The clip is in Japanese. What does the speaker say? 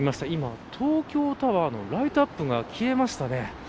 今、東京タワーのライトアップが消えましたね。